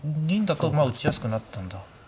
銀だとまあ打ちやすくなったんだ。